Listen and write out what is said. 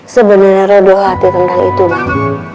sebenernya ra dohatir tentang itu bang